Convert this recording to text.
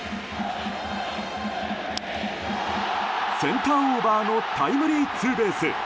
センターオーバーのタイムリーツーベース。